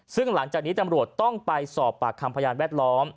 ซึ่งหลังจากนี้ตำรวจต้องไปสอบปากคำพยานแวดล้อม